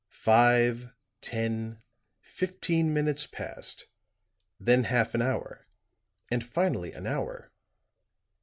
Five, ten, fifteen minutes passed, then half an hour and finally an hour.